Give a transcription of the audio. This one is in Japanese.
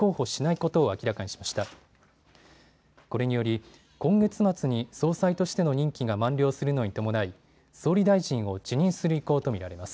これにより今月末に総裁としての任期が満了するのに伴い総理大臣を辞任する意向と見られます。